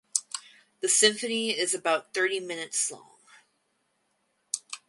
The symphony is about thirty minutes long.